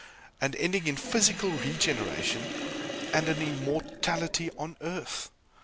and ending in "physical regeneration" and an immortality on earth.